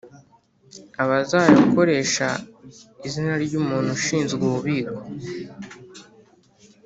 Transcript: abazayakoresha izina ry umuntu ushinzwe ububiko